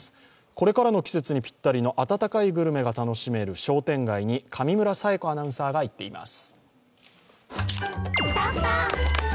これからの季節にぴったりの温かいグルメが楽しめる商店街に上村彩子アナウンサーが行っています。